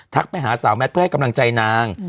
ไปหาสาวแมทเพื่อให้กำลังใจนาง